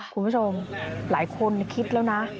คุณผู้ชมหลายคนคิดแล้วนะ